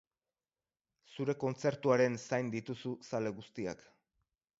Zure kontzertuaren zain dituzu zale guztiak.